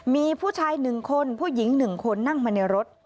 มีผู้ชายหนึ่งคนผู้หญิงหนึ่งคนนั่งมาในรถ